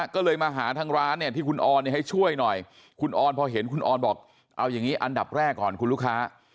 ก็เลยมาหาทางร้านเนี่ยที่คุณออนให้ช่วยหน่อยคุณออนพอเห็นคุณออนบอกเอาอย่างนี้อันดับแรกก่อนคุณลูกค้า